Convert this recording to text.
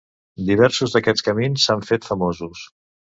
Diversos d'aquests camins s'han fet famosos.